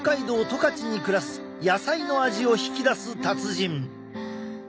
十勝に暮らす野菜の味を引き出す達人。